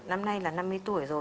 năm nay là năm mươi tuổi rồi